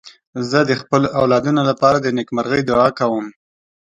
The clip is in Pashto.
زه د خپلو اولادونو لپاره د نېکمرغۍ دعا کوم.